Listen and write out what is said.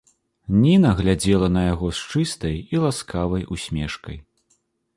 Ніна глядзела на яго з чыстай і ласкавай усмешкай.